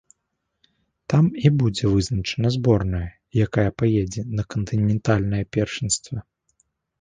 Там і будзе вызначана зборная, якая паедзе на кантынентальнае першынство.